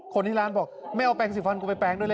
คนที่ร้านบอกไม่เอาแปลงสีฟันกูไปแปลงด้วยเลย